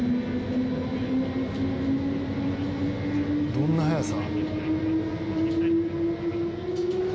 「どんな速さ？」